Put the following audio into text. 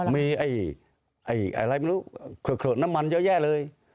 มีอะไรไม่รู้น้ำมันเยอะแยะเลย